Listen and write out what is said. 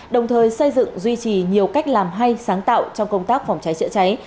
đồng thời xây dựng duy trì nhiều cách làm hay sáng tạo trong công tác phòng trái chữa trái